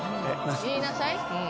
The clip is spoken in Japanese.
言いなさい。